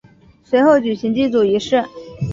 随后举行祭祖仪式。